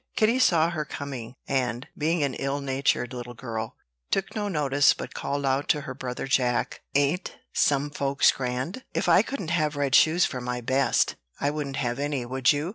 Kitty saw her coming; and, being an ill natured little girl, took no notice, but called out to her brother Jack: "Ain't some folks grand? If I couldn't have red shoes for my best, I wouldn't have any, would you?"